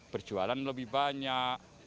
berjualan lebih banyak